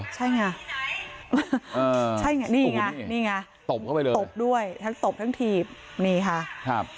ใช่ไงนี่ไงตบเข้าไปเลย